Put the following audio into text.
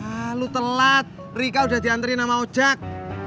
hah lu telat rika udah diantriin sama ojak